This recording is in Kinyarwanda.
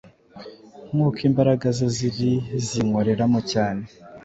nk’uko Imbaraga ze ziri zinkoreramo cyane.